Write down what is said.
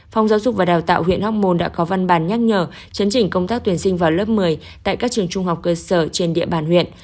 phòng giáo dục và đào tạo huyện hóc môn đã có văn bản nhắc nhở chấn chỉnh công tác tuyển sinh vào lớp một mươi tại các trường trung học cơ sở trên địa bàn huyện